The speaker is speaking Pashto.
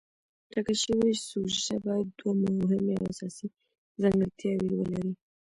ټاکل شوې سوژه باید دوه مهمې او اساسي ځانګړتیاوې ولري.